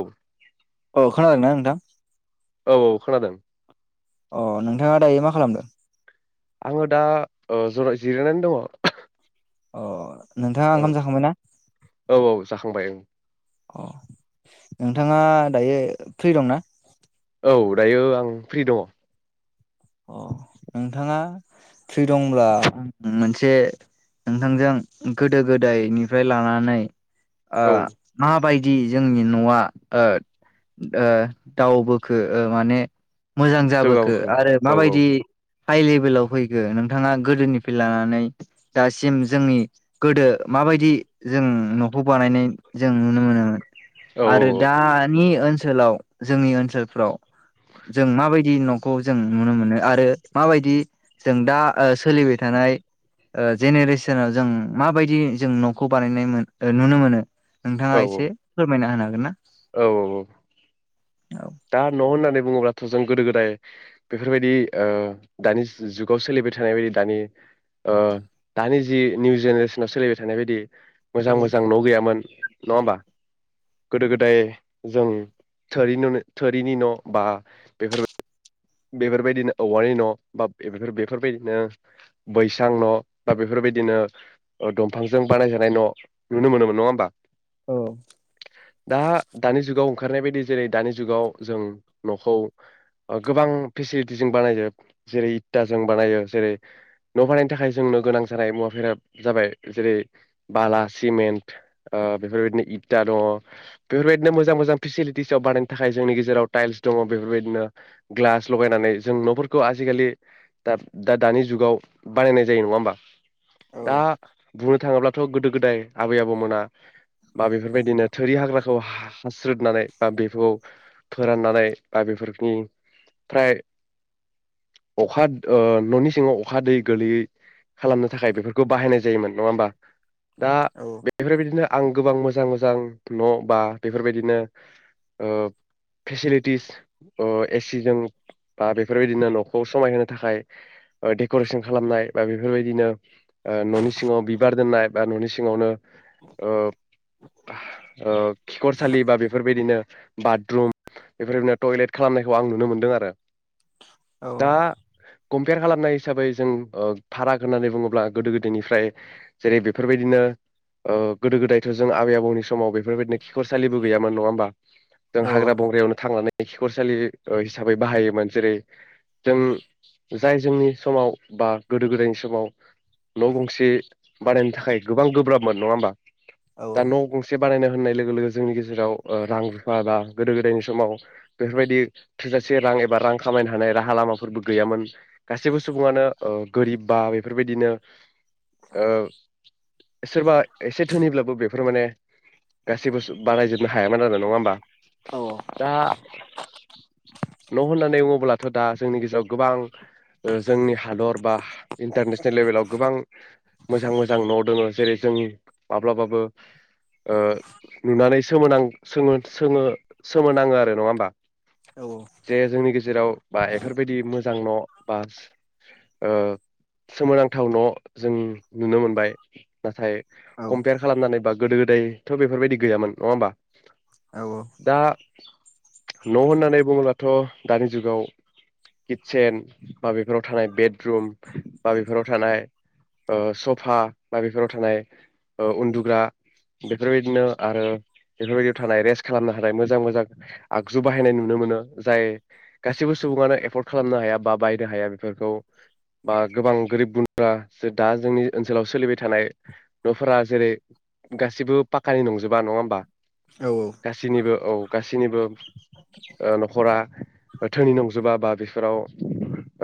औ अ खोनादोंना नोंथां औ औ खोनादों अ नोंथाङा दायो मा खालामदों आङो दा ओ जराय जिरायनानै दङ अ नोंथाङा औ ओंखाम जाखांबाय ना औ औ जाखांबाय ओं अ नोंथाङा दायो फ्रि दंना औ दायो आं फ्रि दङ अ नोंथाङा फ्रि दंब्ला मोनसे नोंथांजों गोदो गोदायनिफ्राय लानानै ओ औ मा बाय दि जोंनि नआ ओ ओ दाव बोखो ओ माने मोजां जाबोखो जौगाबोखो आरो औ औ माबायदि हाइ लेभेलाव फैखो नोंथाङा गोदोनिफ्राय लानानै दासिम जोंनि गोदो माबायदि जों नखौ बानायनाय जों नुनो मोनोमोन औ आरो औ दा नि ओनस ओनसोलाव जोंनि ओनसोलफ्राव जों माबायदि नखौ जों नुनो मोनो आरो माबायदि जों दा ओ सोलिबाय थानाय ओ जेनेरेसनाव जों माबायदि जों नखौ बानायनाय उम नुनो मोनो नोंथाङा औ एसे फोरमायना होनो हा [unintelligible] औ औ औ। दा न होननानै बुङोब्लाथ जों गोदो गोदाय बेफोरबायदि ओ दानि जु-जुगाव सोलिबाय थानाय बायदि दानि ओ दानि जि निउ जेनेरेसनाव सोलिबाय थानाय बायदि मोजां मोजां न गैयामोन। नङा होमबा गोदो गोदाय जों थोरि नुनो थोरिनि न बा बेफोरबा बेफोरबायदिनो औवानि न बाफोर बेफोरबायदिनो बैसां न बा बेफोरबायदिनो दंफांजों बानायजानाय न नुनो मोनोमोन नङा होमबा। अ। दा दानि जुगाव ओंखारनाय बायदि जेरै दानि जुगाव जों नखौ ओफ गोबां फेसिलिटिजों बानायो जेरै इदटाजों बानायो जेरै न बानायनो थाखाय जोंनो गोनां जानाय मुवाफोरा जाबाय जेरै बाला सिमेन्ट ओ बेफोरबायदिनो इता दङ बेफोरबायदिनो मोजां मोजां फेसिलिटिसआव बानायनो थाखाय जोंनि गेजेराव टाइल्स दङ बेफोरबायदिनो ग्लास लगायनानै जों नफोरखौ आजिखालि दा-दानि जुगाव बानायनाय जायो नङा होमबा औ दा बुद थाङोब्लाथ गोदो गोदाय आबै आबौमोना बा बेफोरबायदिनो थोरि हाग्राखौ हा-हास्रोदनानै बा बेखौ फोराननानै बा बेफोरनि फ्राय अखाद ओ ननि सिङाव अखा दै गोलैयै खालामनो थाखाय बेफोरखौ बाहायनाय जायोमोन नङा होमबा? दा औ बेफोरबायदिनो आं गोबां मोजां मोजां मोजां न बा बेफोरबायदिनो ओ फेसिलिटिस ओ एसिजों बा बेफोरबायदिनो नखौ समायहोनो थाखाय ओ डेकरेसन खालामनाय बा बेफोरबायदिनो ओ ननि सिङाव बिबार दोननाय बा ननि सिङावनो ओफ हा ओ खिखरसालि बा बेफोरबायदिनो बाथरुम बेफोरबायदिनो टयलेट खालामनाय खौ आं नुनो मोनदों आरो औ दा कम्प पेयार खालामनाय हिसाबै जों ओ फाराग होननानै बुङोब्ला गोदो गोदायनिफ्राय जेरै बेफोरबायदिनो ओ गोदो गोदायथ जों आबै आबौनि समाव बेफोरबायदिनो खिखरसालिबो गैयामोन नङा होमबा जों औ हाग्रा बंग्रायावनो थांनानै एखिखरसालि ओ हिसाबै बाहायोमोन जेरै जों जाय जोंनि समाव बा गोदो गोदायनि समाव न गंसे बानायनो थाखाय गोबां गोब्राबमोन नङा होमबा औ दा न गंसे बानायनो होननाय लोगो लोगो जोंनि गेजेराव ओ रां रुफा बा गोदो गोदायनि समाव बेफोरबायदि थोजासे रां एबा रां खामायनो हानाय राहा लामाफोरबो गैयामोन गासैबो सुबुङानो ओ गोरिब बा बेफोरबायदिनो औ। सोरबा एसे धोनिब्लाबो बेफोर माने गासिबो सुब बारायजोबनो हायामोन आरो नङा होमबा। औ दा न होननानै बुङोब्लाथ दा जोंनि गेजेराव गोबां ओ जोंनि हादर बा हा इन्टारनेसनेल लेभेलाव गोबां मोजां मोजां न दङो जेरै जों माब्लाबाबो ओ नुनानै सोमोनां सोङो-सोङो सोमोनाङो आरो नङा होमबा। औ औ। जे जोंनि गेजेराव बा एफोरबायदि मोजां न बा ओ सोमोनांथाव न जों नुनो मोनबाय नाथाय कमप्यार खालामनानै बाग गोदो गोदायथ बेफोरबायदि गैयामोन नङा होमबा औ अ। न होननानै होननानै बुङोबथ दानि जुगाव किटसेेन बाबेफोराव थानाय बेदरुम बाबेफोराव थानाय ओ सफा बाबेफोराव थानाय उन्दुग्रा बेफोरबायदिनो आरो बेफोरबायदियाव थानाय रेस्ट खालामनो हानाय मोजां मोजां आगजु बाहायनाय नुनो मोन मोनो जाय गासिबो सुबुङानो एफर्ड खालामनो हाया बा बायनो हाया बेफोरखौ बा गोबां गोरिब गुन्द्रा दा जोंनि ओनसोलाव सोलिबाय थानाय न'फोरा जेरै गासिबो पाक्कानि नंजोबा नङा होमबा? गासैनिबो औ गासैनिबो ओ नखरा धोनि नंजोबा बा बेफोराव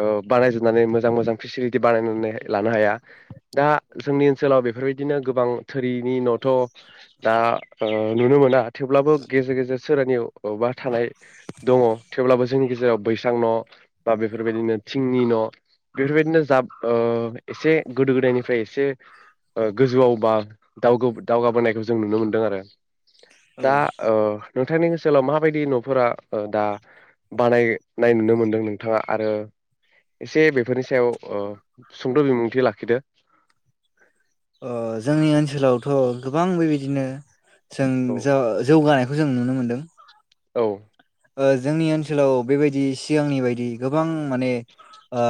ओ बानायजोबनानै मोजां मोजां फेसिलिटि बानायनानै लानो हाया। दा जोंनि ओनसोलाव बेफोरबायदिनो गोबां थोरिनि न'थ' दा ओ नुनो मोना थेवब्लाबो गेजेर गेजेर सोरनियावबा थानाय दङ। थेवब्लाबो जोंनि गेजेराव बैस्रा न' बा बेफोरबायदिनो थिंनि न' बेफोरबायदिनो जाब एसे गोदो गोदायनिफ्राय एसे गोजौआव बा दावगाबोनायखौ जों नुनो मोनदों आरो। दा ओ नोंथांनि ओनसोलाव माबायदि न'फोरा दा बानायनाय नुनो मोनदों नोंथाङा आरो एसे बेफोरनि सायाव ओ सुंद' बिबुंथि लाखिदो। ओ गोबां बेबादिनो औ जों ज-जौगानाय बेखौ जों नुनो मोन्दों। औ। ओ जोंनि ओनसोलाव बेबायदि सिगांनि बायदि गोबां माने ओ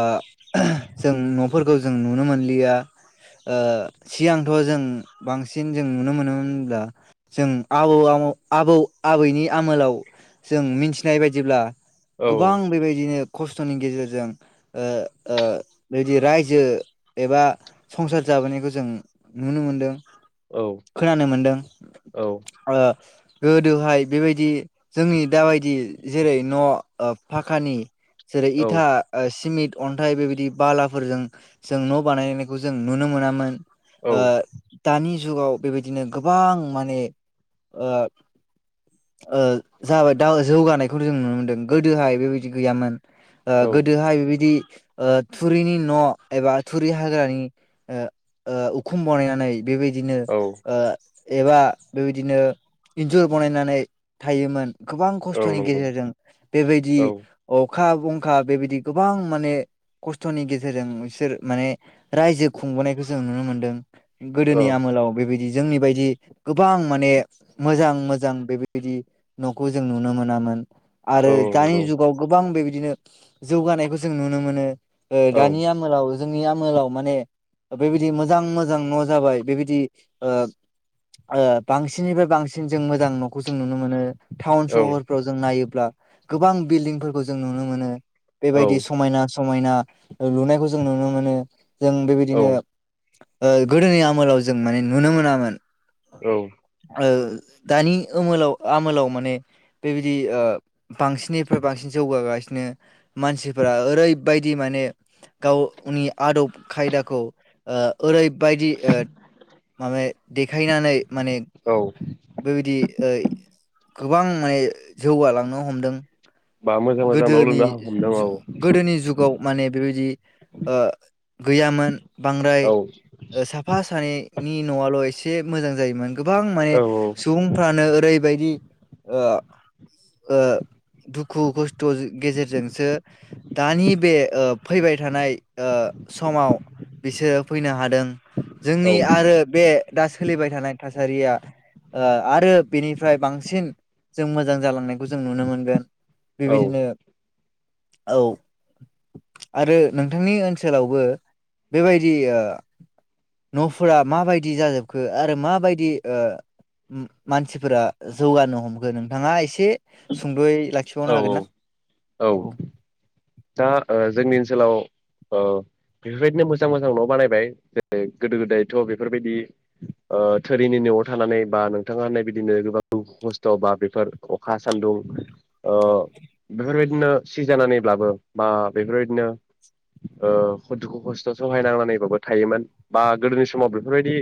जों न'फोरखौ जों नुनो मोनलिया। ओ सिगांथ' जों बांसिन जों नुनो मोनोमोन होनब्ला जों आमौ आमै आबौ आबैनि आमोलाव जों मिथिनाय बायदिब्ला औ गोबां बेबायदिनो खस्थ'नि गेजेरजों ओ ओ बिदि रायजो एबा संसार जाबोनायखौ जों नुनो मोनदों। खोनानो मोनदों औ ओ गोदोहाय बेबायदि जोंनि दाबायदि जेरै- न' फाक्कानि जेरै इथा ओ सिमिट अन्थाइ बेबायदि बालाफोरजों जों न' बानायनायखौ जों नुनो मोनामोन। ओ औ दानि जुगाव बेबायदिनो गोबां माने ओ ओ जाबाय दा जौगानायखौ जों नुनो मोन्दों, गोदोहाय बेबायदि गैयामोन। ओ औ गोदोहाय बेबायदि ओ थुरिनि न' एबा थुरि हाग्रानि ओ ओ उखुम बानायनानै बेबायदिनो औ ओ एबा बेबायदिनो इन्जुर बानायनानै थायोमोन। गोबां औ खस्थ'नि नंगौ गेजेरजों बेबायदि औ ओ अखा बंखा बेबायदि गोबां माने खस्थ'नि गेजेरजों बिसोर माने रायजो खुंबोनायखौ जों नुनो मोन्दों। औ गोदोनि आमोलाव बेबायदि जोंनि बायदि गोबां माने मोजां मोजां बेबायदि न'खौ जों नुनो मोनामोन आरो औ नंगौ दानि जुगाव गोबां बेबाय- दिनो जौगानायखौ जों नुनो मोनो। ओ औ दानि आमोलाव जोंनि आमोलाव माने बेबायदि मोजां मोजां न' जाबाय बेबायदि ओ ओ बांसिननिफ्राय बांसिन जों मोजां न'खौ जों नुनो मोनो। टाउन सहरफ्राव जों नायो ल्बा गोबां बिल्डिंफोरखौ जों नुनो मोनो। औ बेबायदि समायना-समायना लुनायखौ जों नुनो मोनो। जों बेबायदिनो औ गोदोनि आमोलाव जों माने नुनो मोनामोन। औ औ दानि ओमोलाव आमोलाव माने बेबायदि ओ बांसिननिफ्राय बांसिन जौगागासिनो मानसिफोरा ओरैबायदि माने गावनि आदब खायदाखौ ओ ओरैबायदि ओ माबे देखायनानै माने औ बेबादियै गोबां माने जौगालांनो हमदों। बा मोजां मोजां न' गोदोनि लुनो हमदों औ गोदोनि जुगाव माने बेबायदि ओ गैयामोन। बांद्राय औ साफा सानैनि न'आल' एसे [unintelligible] मोजां जायोमोन। गोबां माने औ सुबुंफ्रानो ओरैबायदि ओ दुख दुखु खस्थ गेजेरजोंसो दानि बे ओ फैबाय थानाय ओ समाव बिसोरो फैनो हादों। जोंनि आरो बे दा सोलिबाय थानाय थासारिया ओ आरो बेनिफ्राय बांसिन जों मोजां जालांनायखौ जों नुनो मोनगोन। औ बेबायदिनो औ आरो नोंथांनि ओनसोलावबो बेबायदि नफोरा माबायदि जाजोबखो आरो माबायदि ओ मानसिफोरा जौगानो हमखो नोंथाङा एसे सुंदयै ला औ औ औ दा जोंनि ओनसोलाव ओ बेफोरबायदिनो मोजां मोजां न' बानायबाय जेरै गोदो गोदायथ' बेफोरबायदि थोरिनि न'आव थानानै बा नोंथाङा होननाय बिदिनो गोबां खस्थ बा बेफोर अखा सान्दुं ओ बेफोरबायदिनो सि जानानैब्लाबो बा बेफोरबायदिनो ओ दुखु खस्थ सहायनांनानैबाबो थायोमोन बा गोदोनि समाव बेफोरबायदि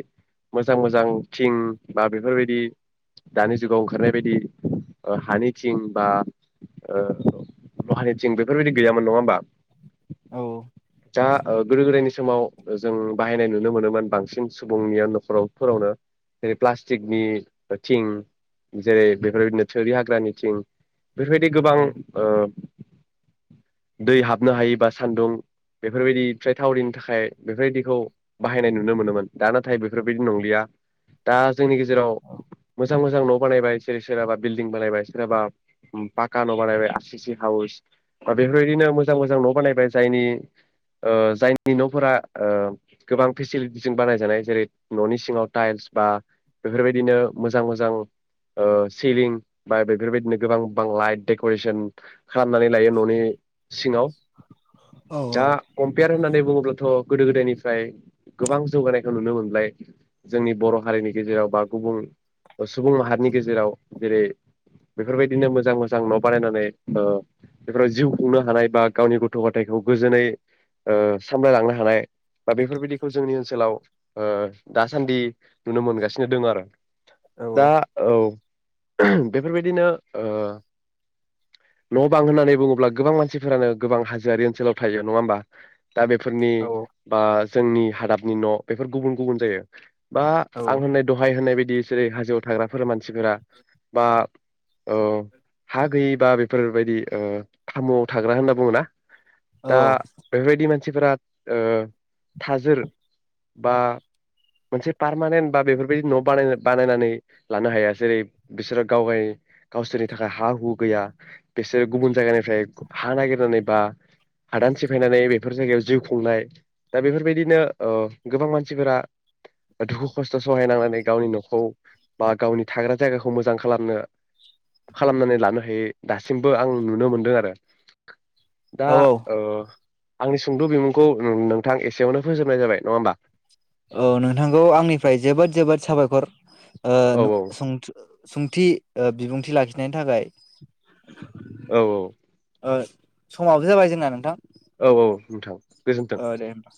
मोजां मोजां थिं बा बेफोरबायदि दानि जुगाव ओंखारनाय बायदि हानि थिं बा दहानि थं बेफोरबायदि गैयामोन नङा होमबा औ दा गोदो गोदायनि समाव जों बाहायनाय नुनो मोनोमोन बांसिन सुबुंनिया न'खरावफोरावनो जेरै प्लास्टिकनि थिं जेरै बेफोरबायदिनो थोरि हाग्रानि थिं बेफोरबायदि गोबां औ ओ दै हाबनो हायि बा सान्दुं बेफोरबायदि फ्राय थावरिनो थाखाय बेफोरबायदिखौ बाहायनाय नुनो मोनोमोन दा नाथाय बेफोरबायदि नंलिया दा जोंनि गेजेराव औ मोजां मोजां न बानायबाय जेरै सोराबा बिल्डिं बानायबाय सोरहाबा पाका न बानायबाय आर सि सि हाउस। बा बेफोरबायदिनो मोजां मोजां न बानायबाय जायनि ओ जायनि न फोरा ओ गोबां फेसिलिटिजों बानायजानाय जेरै ननि सिङाव टाइल्स बा बेफोरबायदिनो मोजां मोजां ओ सिलिं बा बेफोरबायदिनो गोबांलाइट देकरेसन खालामनानै न'नि सिङाव औ दा कम्पियार होननानै बुङोब्लाथ गोदो गोदायनिफ्राय गोबां जौगानायखौ नुनो मोनबाय जोंनि बर हारिनि गेजेराव बा गुबुन सुबुं माहारिनि गेजेराव जेरै बेफोरबायदिनो मोजां मोजां न बानायनानै ओ बेफोराव जिउ खुंनो हानाय बा गावनि गथ गथायखौ गोजोनै सामलायलांनो हानाय बा बेफोरबायदिखौ जोंनि ओनसोलाव दासान्दि नुनो मोनगासिनो दों आरो। औ दा औ बेफोरबायदिनो न बां होननानै बुङोब्ला गोबां मानसिफोरानो गोबां हाजोआि ओनसोलाव थायो नङा होमबा? दा बेफोरनि औ बा जोंनि हादाबनि न बेफोर गुबुन गुबुन जायो। बा आं होननाय दहाय होनाय बायदि बिसोरै हाजोआथाग्रा फोरमान मानसिफोरा बा औ हा गैयिबा बेफोरबायदि ओ खामुआव थाग्रा होनना बुङो ना? औ दा बेबायदि म मानसि थाजोर बा मोनसे पारमानेन्ट बा बेफोरबायदि न बानायनानै लानो हाया जेरै बिसोरो गाव गावसोरनि थाखाय हा हु गैया बिसोरो गुबुन जायगानि ओमफ्राय हा नागिरनानै बा हादान सिफायनानै बेफोर जायगायाव जिउ खुंनाय दा बेफोरबायदिनो गोबां मानसिफोरा दुखु खस्थ सहायनांनानै गावनि नखौ बा गावनि थाग्रा जायगाखौ मोजां खालामनो खालामनानै लानो हायै दासिमबो आं नुनो मोनदों आरो। [unintelligible] दा औ ओ आंनि सुंद बिमुंखौ नोंथां एसेयावनो फोजोबनाय जाबाय, नङा होमबा? औ नोंथांखौ आंनिफ्राय जोबोद जोबोद साबायखर आ औ न सं सुंथि बिबुंथि लाखिनायनि थाखाय औ औ समाबो जाबाय जोंना नोंथां। औ औ नोंथां। गोजोन्थों औ दे होनोमबा।